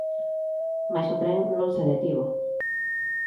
Mais o tren non se detivo.